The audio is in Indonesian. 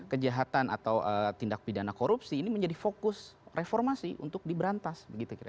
kejahatan atau tindak pidana korupsi ini menjadi fokus reformasi untuk diberantas